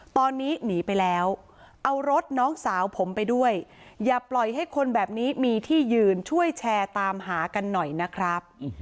ตอนนี้หนีไปแล้วเอารถน้องสาวผมไปด้วยอย่าปล่อยให้คนแบบนี้มีที่ยืนช่วยแชร์ตามหากันหน่อยนะครับ